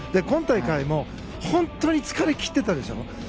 今大会も本当に疲れきってたでしょ。